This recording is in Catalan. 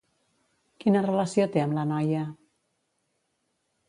Quina relació té amb la noia?